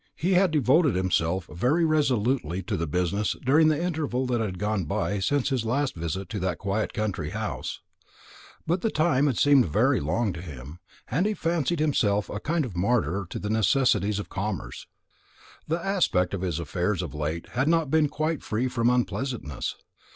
He had devoted himself very resolutely to business during the interval that had gone by since his last visit to that quiet country house; but the time had seemed very long to him, and he fancied himself a kind of martyr to the necessities of commerce. The aspect of his affairs of late had not been quite free from unpleasantness.